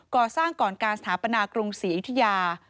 ก่อสร้างก่อนการสถาปนากรุงศรีอยุธยา